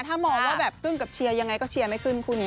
ถ้ามองว่าแบบกึ้งกับเชียร์ยังไงก็เชียร์ไม่ขึ้นคู่นี้